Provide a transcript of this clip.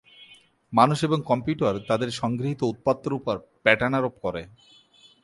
মানুষ এবং কম্পিউটার তাদের সংগৃহীত উপাত্তের উপর প্যাটার্ন আরোপ করে।